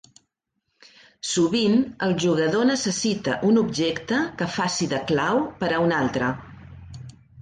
Sovint el jugador necessita un objecte que faci de "clau" per a un altre.